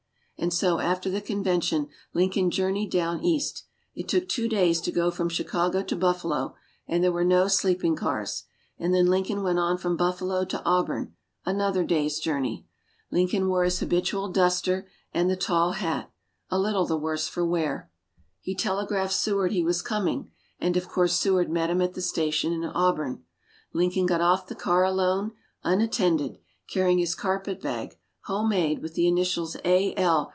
And so after the Convention Lincoln journeyed down East. It took two days to go from Chicago to Buffalo, and there were no sleeping cars; and then Lincoln went on from Buffalo to Auburn another day's journey. Lincoln wore his habitual duster and the tall hat, a little the worse for wear. He telegraphed Seward he was coming, and, of course, Seward met him at the station in Auburn. Lincoln got off the car alone, unattended, carrying his carpetbag, homemade, with the initials "A.L."